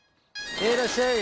へいらっしゃい！